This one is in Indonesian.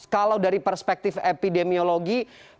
kalau dari perspektif epidemiologi